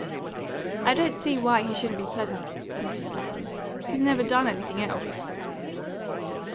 "I don't see why he shouldn't be pleasant," said Mrs. Lapham. "He's never done anything else."